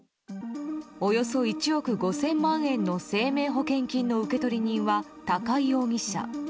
およそ１億５０００万円の生命保険の受取人は高井容疑者。